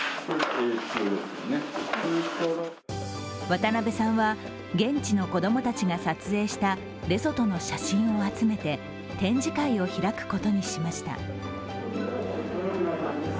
渡邊さんは、現地の子供たちが撮影したレソトの写真を集めて展示会を開くことにしました。